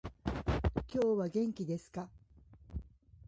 今日は元気ですか？